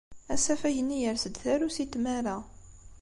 Asafag-nni yers-d tarusi n tmara.